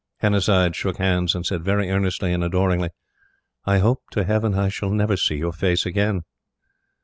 Hannasyde shook hands, and said very earnestly and adoringly: "I hope to Heaven I shall never see your face again!"